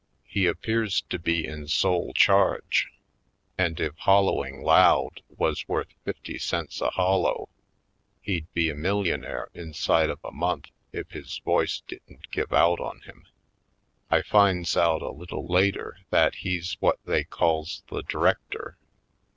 He appears to be in sole charge; and if hollowing loud was worth fifty cents a hollow he'd be a millionaire inside of a month if his voice didn't give out on him. I finds out a little later that he's what they calls the director.